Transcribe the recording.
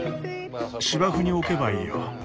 芝生に置けばいいよ。